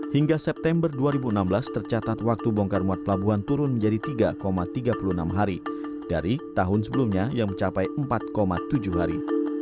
hingga september dua ribu enam belas tercatat waktu bongkar muat pelabuhan turun menjadi tiga tiga puluh enam hari dari tahun sebelumnya yang mencapai empat tujuh hari